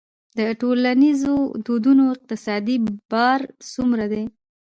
د ټولنیزو دودونو اقتصادي بار څومره دی؟